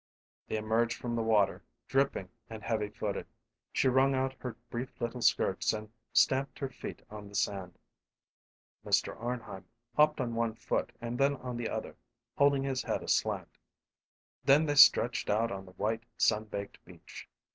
They emerged from the water, dripping and heavy footed. She wrung out her brief little skirts and stamped her feet on the sand. Mr. Arnheim hopped on one foot and then on the other, holding his head aslant. Then they stretched out on the white, sunbaked beach.